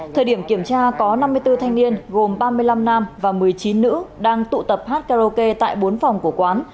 thời điểm kiểm tra có năm mươi bốn thanh niên gồm ba mươi năm nam và một mươi chín nữ đang tụ tập hát karaoke tại bốn phòng của quán